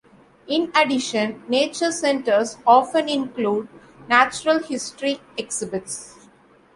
In addition, nature centers often include natural-history exhibits.